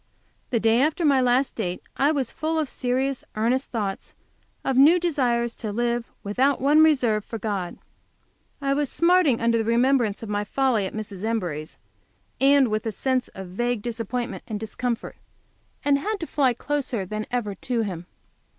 The day after my last date I was full of serious, earnest thoughts, of new desires to live, without one reserve, for God. I was smarting under the remembrance of my folly at Mrs. Embury's, and with a sense of vague disappointment and discomfort, and had to fly closer than ever to Him.